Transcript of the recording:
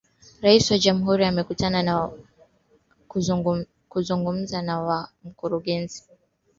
Rais wa Jamhuri amekutana na kuzungumza na Mkurugenzi Mkuu wa Benki ya Kiarabu